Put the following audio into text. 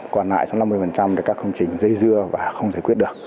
còn lại trong năm mươi là các công trình dây dưa và không giải quyết được